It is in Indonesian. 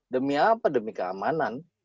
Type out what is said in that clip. demi apa demi keamanan